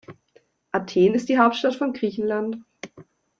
Athen ist die Hauptstadt von Griechenland.